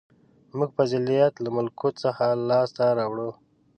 • موږ فضیلت له ملکوت څخه لاسته راوړو.